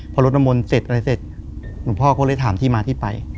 พอรถน้ำมนต์เสร็จอะไรเสร็จหลวงพ่อก็เลยถามที่มาที่ไป